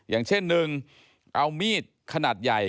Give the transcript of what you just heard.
อย่างเช่นหนึ่งเอามีดขนาดใหญ่